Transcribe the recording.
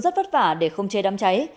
rất vất vả để không chế đám cháy